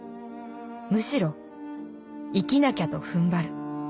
むしろ生きなきゃと踏ん張る」。